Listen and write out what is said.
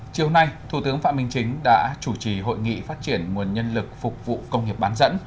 chiều nay thủ tướng phạm minh chính đã chủ trì hội nghị phát triển nguồn nhân lực phục vụ công nghiệp bán dẫn